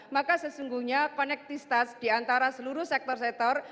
maka sesungguhnya connectivitas diantara seluruh sektor sektor